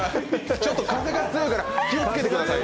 ちょっと風が強いから気をつけてくださいよ。